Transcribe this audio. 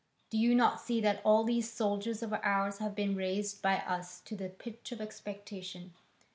Do you not see that all these soldiers of ours have been raised by us to the pitch of expectation?